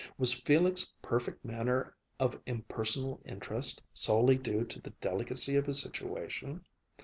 Was Felix' perfect manner of impersonal interest solely due to the delicacy of his situation?